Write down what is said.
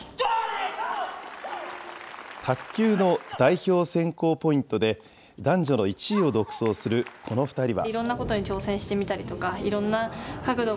卓球の代表選考ポイントで男女の１位を独走するこの２人は。